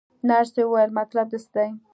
نرسې وویل: مطلب دې څه دی؟